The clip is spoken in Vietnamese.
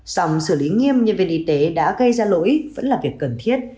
sòng xử lý nghiêm nhân viên y tế đã gây ra lỗi vẫn là việc cần thiết